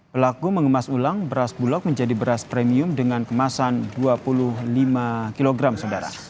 pelaku mengemas ulang beras bulog menjadi beras premium dengan kemasan dua puluh lima kg saudara